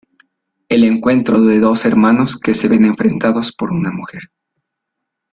El encuentro de dos hermanos que se ven enfrentados por una mujer.